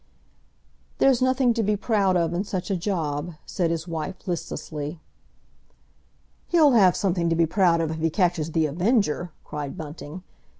"There's nothing to be proud of in such a job," said his wife listlessly. "He'll have something to be proud of if he catches The Avenger!" cried Bunting.